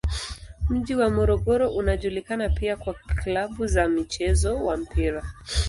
Mji wa Morogoro unajulikana pia kwa klabu za mchezo wa mpira.